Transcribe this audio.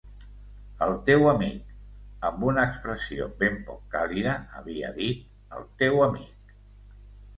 El teu amic... amb una expressió ben poc càlida havia dit el teu amic...